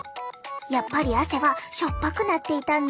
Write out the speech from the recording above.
やっぱり汗は塩っぱくなっていたんだ。